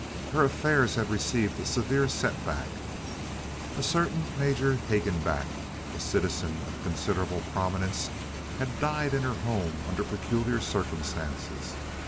Her affairs had received a severe setback. A certain Major Hagenback, a citizen of considerable prominence, had died in her home under peculiar circumstances.